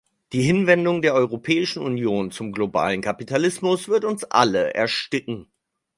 Die Hinwendung der Europäischen Union zum globalen Kapitalismus wird uns alle ersticken.